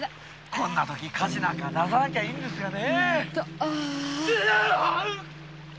こんなとき火事なんかださなきゃいいんですがね。